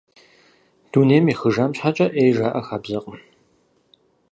Дунейм ехыжам щхьэкӀэ Ӏей жаӀэу хабзэкъым.